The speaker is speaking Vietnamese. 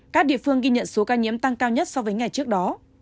các địa phương ghi nhận số ca nhiễm tăng cao nhất so với ngày trước đó